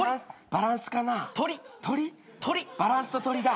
バランスと鳥だ。